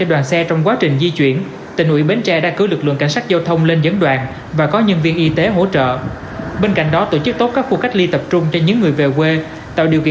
ủy ban nhân dân tỉnh bến tre phối hợp với quận bình tân đã tổ chức một mươi năm chuyến xe dừng nằm miễn phí